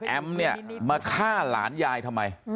เนี่ยมาฆ่าหลานยายทำไม